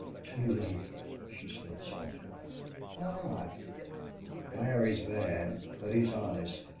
"Too late!" she said, softly. "Why?" "Larry is bad, but he's honest.